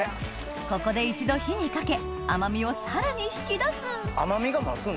ここで一度火にかけ甘みをさらに引き出す甘みが増すん。